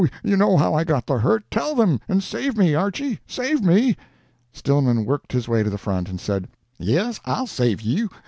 You know how I got the hurt. Tell them, and save me, Archy; save me!" Stillman worked his way to the front, and said, "Yes, I'll save you.